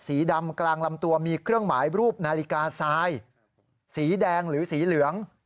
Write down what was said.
สีดำกลางลำตัวมีเครื่องหมายรูปนาฬิกาทรายสีแดงหรือสีเหลือง